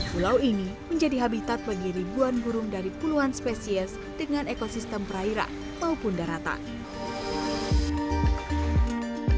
pulau ini menjadi habitat bagi ribuan burung dari puluhan spesies dengan ekosistem perairan maupun daratan